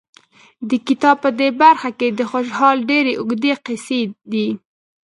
د کتاب په دې برخه کې د خوشحال ډېرې اوږې قصیدې